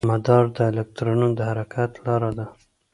مدار د الکترون د حرکت لاره ده.